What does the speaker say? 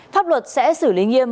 pháp luật sẽ xử lý nghiêm